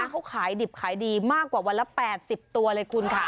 เขาขายดิบขายดีมากกว่าวันละ๘๐ตัวเลยคุณค่ะ